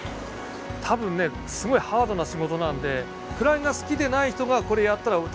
多分ねすごいハードな仕事なんでクラゲが好きでない人がこれやったら多分大変だと思う。